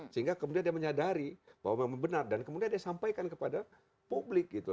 sehingga kemudian dia menyadari bahwa memang benar dan kemudian dia sampaikan kepada publik gitu